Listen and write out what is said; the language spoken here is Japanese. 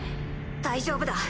大丈夫だ。